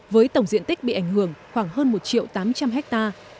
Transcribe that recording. với tổng diện tích bị ảnh hưởng khoảng hơn một triệu tám trăm linh hectare